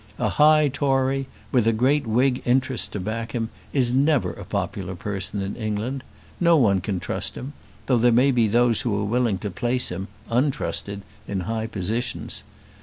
A high Tory, with a great Whig interest to back him, is never a popular person in England. No one can trust him, though there may be those who are willing to place him, untrusted, in high positions.